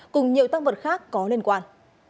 cùng nhiều tăng vật khác có liên quan